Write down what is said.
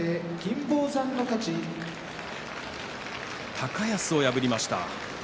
高安を破りました。